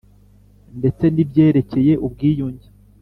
ndetse n'ibyerekeye ubwiyunge.